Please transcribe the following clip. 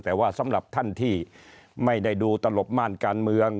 แต่ว่าสำหรับท่านที่ไม่ได้ดูตลบม่านการเมือง